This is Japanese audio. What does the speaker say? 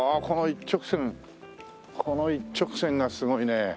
この一直線この一直線がすごいね。